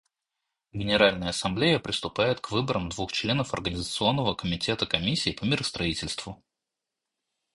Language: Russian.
Генеральная Ассамблея приступает к выборам двух членов Организационного комитета Комиссии по миростроительству.